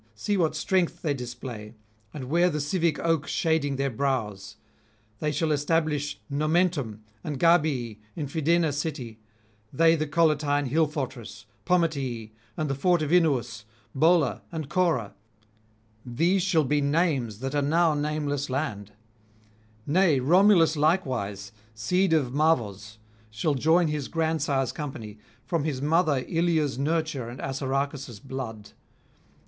see what strength they display, and wear the civic oak shading their brows. They shall establish Nomentum and Gabii and Fidena city, they the Collatine hill fortress, Pometii and the Fort of Inuus, Bola and Cora: these shall be names that are now nameless lands. Nay, Romulus likewise, seed of Mavors, shall join [778 810]his grandsire's company, from his mother Ilia's nurture and Assaracus' blood.